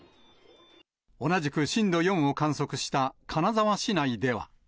同じく震度４を観測した金沢市内では。